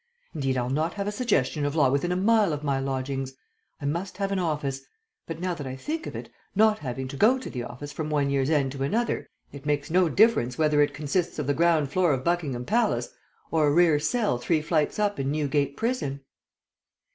Indeed, I'll not have a suggestion of law within a mile of my lodgings! I must have an office; but now that I think of it, not having to go to the office from one year's end to another, it makes no difference whether it consists of the ground floor of Buckingham Palace or a rear cell three flights up, in Newgate Prison."